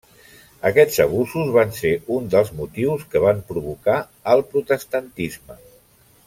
Aquests abusos van ser un dels motius que van provocar el protestantisme.